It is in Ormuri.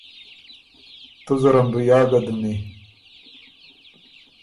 تُو زرم بُو یا ګه دُمي۔